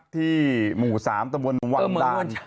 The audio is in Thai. ที่หมู่๓ตลวนหวั่นด่าน